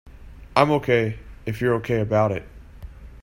I'm OK if you're OK about it.